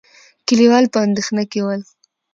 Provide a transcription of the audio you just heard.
کليوال په اندېښنه کې ول.